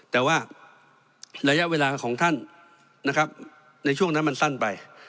แต่ว่าระยะเวลาของท่านนะครับในช่วงนั้นมันสั้นไป